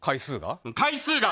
回数が。